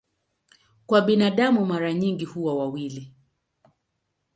Kwa binadamu mara nyingi huwa wawili.